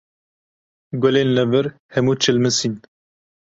Gulên li vir hemû çilmisîn.